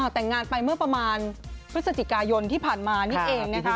แต่งงานไปเมื่อประมาณพฤศจิกายนที่ผ่านมานี่เองนะคะ